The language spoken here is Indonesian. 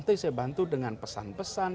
nanti saya bantu dengan pesan pesan